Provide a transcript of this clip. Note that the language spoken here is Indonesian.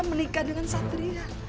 menikah dengan satria